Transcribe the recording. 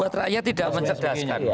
buat rakyat tidak mencerdaskan